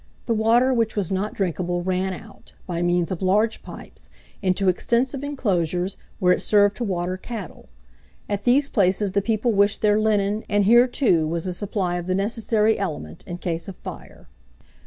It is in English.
The water which was not drinkable ran out, by means of large pipes, into extensive inclosures, where it served to water cattle. At these places the people wished their linen; and here, too, was a supply of the necessary element in case of fire.